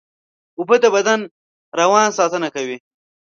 اوبه د بدن روان ساتنه کوي